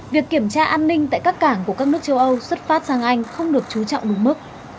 việc kiểm tra an ninh tại các cảng của các nước châu âu xuất phát sang anh không được chú trọng đúng mức